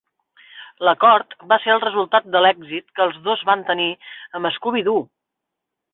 L'acord va ser el resultat de l'èxit que els dos van tenir amb 'Scooby-Doo!'.